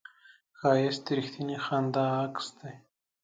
ښایست د رښتینې خندا عکس دی